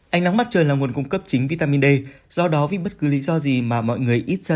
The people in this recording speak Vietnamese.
ánh nắng mặt trời là nguồn cung cấp chính vitamin d do đó vì bất cứ lý do gì mà mọi người ít ra